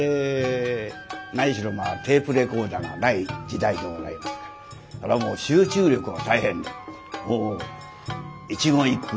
何しろテープレコーダーがない時代でございますからそれはもう集中力が大変で一言一句